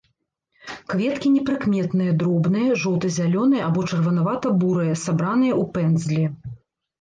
Кветкі непрыкметныя дробныя жоўта-зялёныя або чырванавата-бурыя, сабраныя ў пэндзлі.